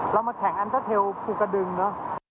เรามาแข่งอันเตอร์เทลภูกระดึงเนอะ